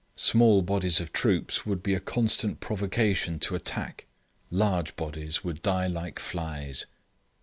Small bodies of troops would be a constant provocation to attack; large bodies would die like flies....'